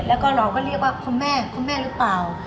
แล้วก็เราก็เรียกว่าคุณแม่คุณแม่หรือเปล่า